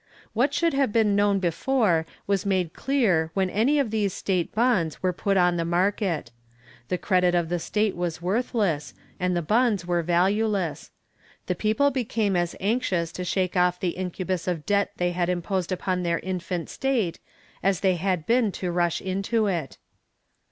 What should have been known before was made clear when any of these state bonds were put on the market. The credit of the state was worthless, and the bonds were valueless. The people became as anxious to shake off the incubus of debt they had imposed upon their infant state as they had been to rush into it.